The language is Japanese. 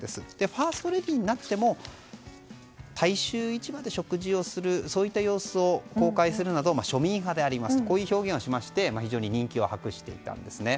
ファーストレディーになっても大衆市場で食事をする様子を公開するなど庶民派でありますという表現をしまして非常に人気を博していたんですね。